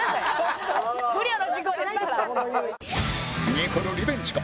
ニコルリベンジか？